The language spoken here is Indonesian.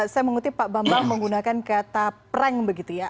saya mengutip pak bambang menggunakan kata prank begitu ya